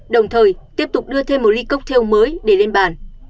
đồng thời tiếp tục đưa thêm một ly cocktail mới để lên bàn